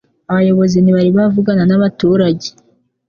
Abayobozi ntibari bavugana nabaturage.